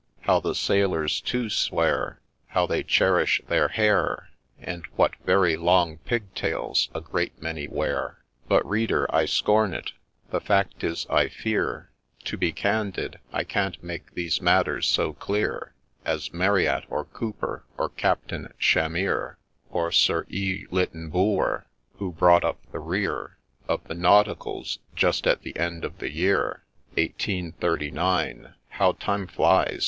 — How the Sailors, too, swear, How they cherish their hair, And what very long pigtails a great many wear. — But, Reader, I scorn it — the fact is, I fear, To be candid, I can't make these matters so clear As Marryat, or Cooper, or Captain Chamier, Or Sir E. Lytton Bulwer, who brought up the rear Of the ' Nauticals,' just at the end of the year Eighteen thirty nine — (how Time flies